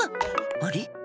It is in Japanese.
あれ？